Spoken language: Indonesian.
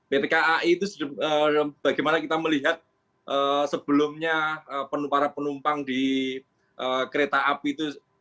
pt kai itu bagaimana kita melihat sebelumnya para penumpang di kereta api itu